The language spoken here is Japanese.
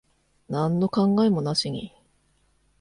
なんの考えもなしに。